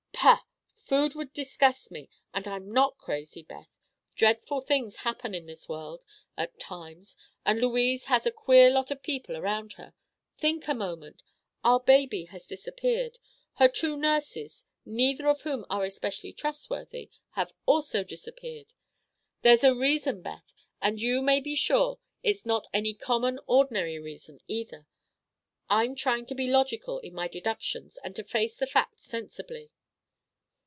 "Pah! Food would disgust me. And I'm not crazy, Beth. Dreadful things happen in this world, at times, and Louise has a queer lot of people around her. Think a moment. Our baby has disappeared. Her two nurses, neither of whom are especially trustworthy, have also disappeared. There's a reason, Beth, and you may be sure it's not any common, ordinary reason, either. I'm trying to be logical in my deductions and to face the facts sensibly."